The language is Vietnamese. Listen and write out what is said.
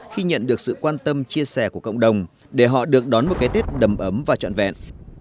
khi nhận được sự quan tâm chia sẻ của cộng đồng để họ được đón một cái tết đầm ấm và trọn vẹn